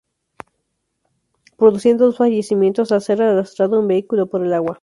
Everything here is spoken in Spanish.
Produciendo dos fallecimientos al ser arrastrado un vehículo por el agua.